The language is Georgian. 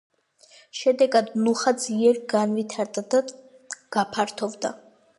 შედეგად ნუხა ძლიერ განვითარდა და გაფართოვდა.